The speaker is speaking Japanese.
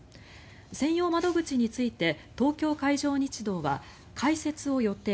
専用窓口について東京海上日動は開設を予定。